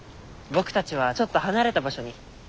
僕たちはちょっと離れた場所に。